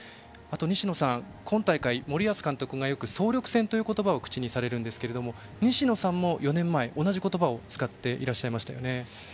西野さん、今大会、森保監督が総力戦という言葉を口にされますが西野さんも４年前同じ言葉を使っていらっしゃいましたよね。